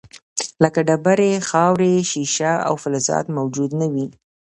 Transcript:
لکه ډبرې، خاورې، شیشه او فلزات موجود نه وي.